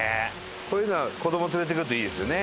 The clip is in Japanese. こういうのは子ども連れてくるといいですよね。